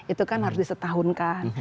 itu kan harus disetahunkan